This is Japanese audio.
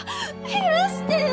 許してよ。